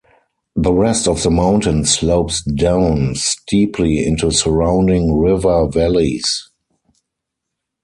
The rest of the mountain slopes down steeply into surrounding river valleys.